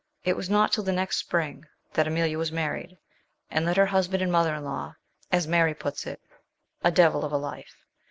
It was not till the next spring that Emilia was married, and led her husband and mother in law, as Mary puts it, " a devil of a life."